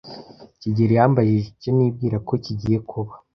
kigeli yambajije icyo nibwira ko kigiye kuba.